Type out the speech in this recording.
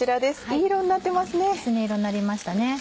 きつね色になりましたね。